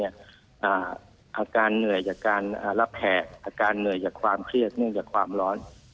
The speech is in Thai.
อาการเหนื่อยจากการรับแหกอาการเหนื่อยจากความเครียดเนื่องจากความร้อน